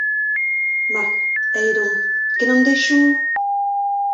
Ma, aet on, ken an deizioù !